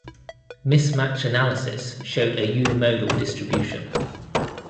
Mismatch analysis showed a unimodal distribution.